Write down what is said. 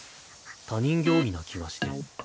他人行儀な気がして。